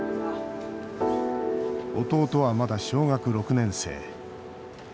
弟はまだ小学６年生。